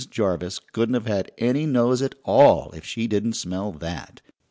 Jarvis couldn't have had any nose at all if she didn't smell that.